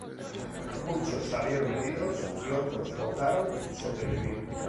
Muchos salieron heridos y otros lograron sobrevivir.